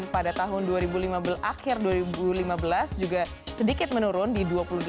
pada tahun akhir dua ribu lima belas juga sedikit menurun di dua puluh delapan lima puluh satu